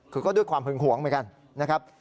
คือก็ด้วยความหึงหวงเหมือนกัน